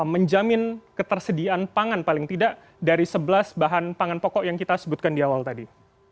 menjamin ketersediaan pangan paling tidak dari sebelas bahan pangan pokok yang kita sebutkan di awal tadi